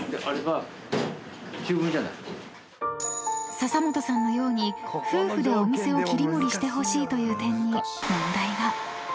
［笹本さんのように夫婦でお店を切り盛りしてほしいという点に］